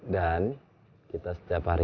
dan kita setiap hari